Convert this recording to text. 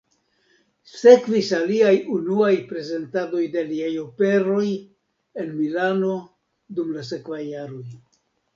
Sekvis aliaj unuaj prezentadoj de liaj operoj en Milano dum la sekvaj jaroj.